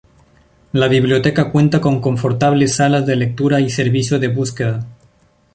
La biblioteca cuenta con confortables salas de lectura y servicio de búsqueda.